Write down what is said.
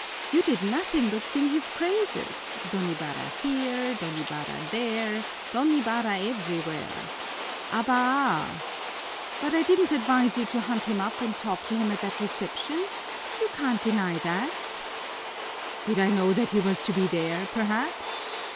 You did nothing but sing his praises: Don Ibarra here, Don Ibarra there, Don Ibarra everywhere. Abaá! But I didn't advise you to hunt him up and talk to him at that reception! You can't deny that!" "Did I know that he was to be there, perhaps?"